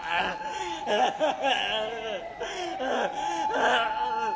ああ！